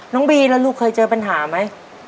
น้องบีแล้วลูกเคยเจอปัญหาไหม